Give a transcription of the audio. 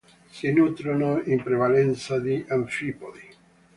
Si nutrono in prevalenza di anfipodi.